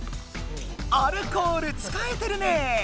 アルコール使えてるねえ！